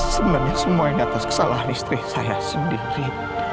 sebenarnya semua ini atas kesalahan istri saya sendiri